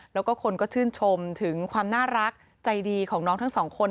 แล้วก็คนก็ชื่นชมถึงความน่ารักใจดีของน้องทั้งสองคน